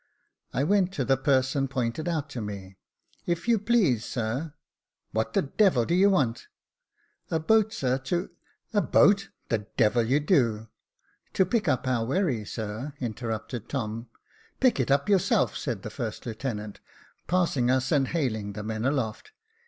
I went up to the person pointed out to me ;" if you please, sir "" What the devil do you want ?"" A boat, sir, to "" A boat ! the devil you do !"" To pick up our wherry, sir," interrupted Tom. " Pick it up yourself," said the first lieutenant, passing us, and hailing the men aloft.